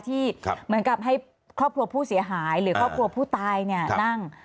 ที่เหมือนกับให้ครอบครัวผู้เสียหายหรือครอบครัวผู้ตายเนี่ยนั่ง